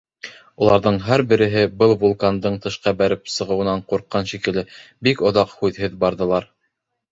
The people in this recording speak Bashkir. Уларҙың һәр береһе, был вулкандың тышҡа бәреп сығыуынан ҡурҡҡан шикелле, бик оҙаҡ һүҙһеҙ барҙылар.